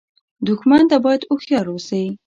دښمن ته باید هوښیار اوسې